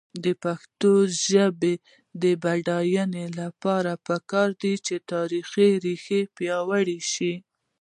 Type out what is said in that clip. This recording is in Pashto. د پښتو ژبې د بډاینې لپاره پکار ده چې تاریخي ریښې پیاوړې شي.